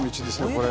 これ。